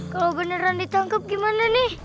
kalau beneran ditangkap gimana nih